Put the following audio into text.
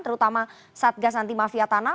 terutama satgas anti mafia tanah